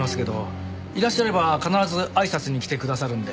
いらっしゃれば必ずあいさつに来てくださるんで。